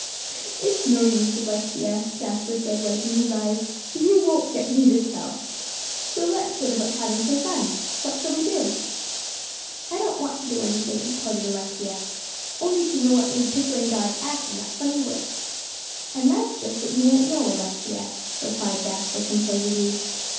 "It's no use, Alexia," Jasper said, wiping his eyes, "you won't get me to tell. So let's set about having some fun. What shall we do?" "I don't want to do anything," pouted Alexia, "only to know what made Pickering Dodge act in that funny way." "And that's just what you won't know, Alexia," replied Jasper composedly.